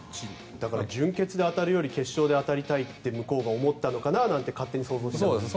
だから準決で当たるより決勝で当たりたいと向こうが思ったのかなと勝手に思いますけど。